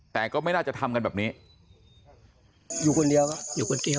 แต่ก็ไม่น่าจะทำกันแบบนี้